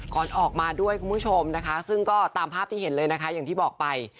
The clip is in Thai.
ก่อนออกมาด้วยคุณผู้ชมนะคะซึ่งก็ตามภาพที่เห็นเลยนะคะอย่างที่บอกไป